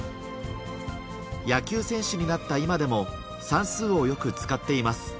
野球選手になった今でも、算数をよく使っています。